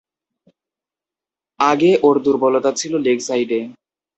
আগে ওর দুর্বলতা ছিল লেগ সাইডে।